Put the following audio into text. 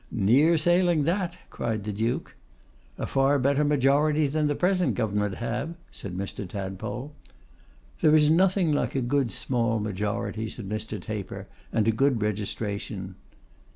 'Near sailing that!' cried the Duke. 'A far better majority than the present Government have,' said Mr. Tadpole. 'There is nothing like a good small majority,' said Mr. Taper, 'and a good registration.